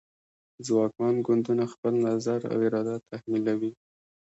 ځواکمن ګوندونه خپل نظر او اراده تحمیلوي